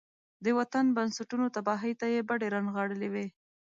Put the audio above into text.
د وطن د بنسټونو تباهۍ ته يې بډې را نغاړلې وي.